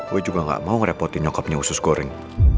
gue juga gak mau ngerepotin nyokopnya usus goreng